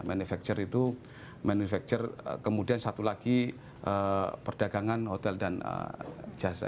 manufacture itu manufacture kemudian satu lagi perdagangan hotel dan jasa